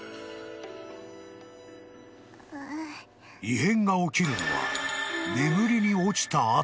［異変が起きるのは眠りに落ちた後］